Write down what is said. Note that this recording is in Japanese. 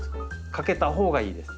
かけたほうがいいです。